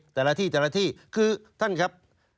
แต่ละที่แต่ละที่คือท่านครับ